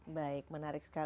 baik menarik sekali